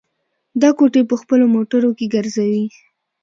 دا کوټې په خپلو موټرو کې ګرځوي.